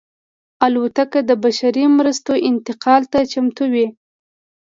الوتکه د بشري مرستو انتقال ته چمتو وي.